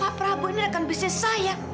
pak prabowo ini rekan bisnis saya